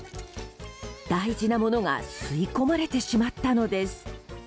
大事なものが吸い込まれてしまったのです。